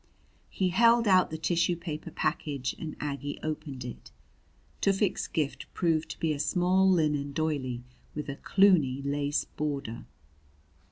He held out the tissue paper package and Aggie opened it. Tufik's gift proved to be a small linen doily, with a Cluny lace border!